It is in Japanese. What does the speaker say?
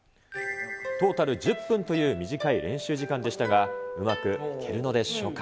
トータル１０分という短い練習時間でしたが、うまく弾けるのでしょうか。